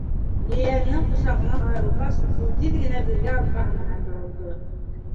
Ейәненең ҡосағынан айырылғас, ул тиҙ генә беҙгә арҡаһы менән боролдо.